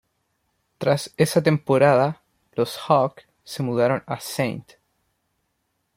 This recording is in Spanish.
Tras esa temporada, los Hawks se mudaron a St.